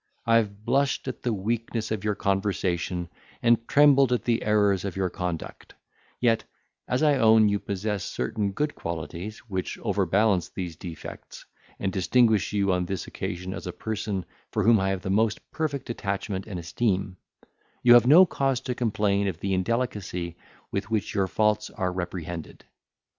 I have blushed at the weakness of your conversation, and trembled at the errors of your conduct—yet, as I own you possess certain good qualities, which overbalance these defects, and distinguish you on this occasion as a person for whom I have the most perfect attachment and esteem, you have no cause to complain of the indelicacy with which your faults are reprehended.